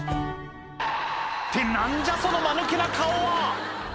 って何じゃそのマヌケな顔は！